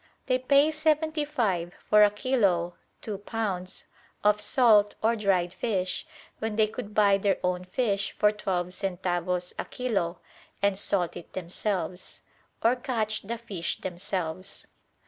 They pay seventy five for a kilo (two pounds) of salt or dried fish, when they could buy their own fish for twelve centavos a kilo and salt it themselves: or catch the fish themselves.